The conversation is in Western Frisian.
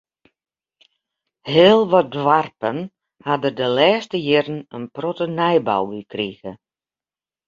Heel wat doarpen ha der de lêste jierren in protte nijbou by krige.